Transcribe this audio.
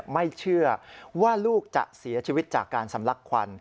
ไม่เชื่อว่าลูกจะเสียชีวิตจากการสำลักควัน